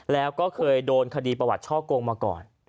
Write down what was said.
แล้วก็เคยโดนคดีประวัติช่อกงมาก่อน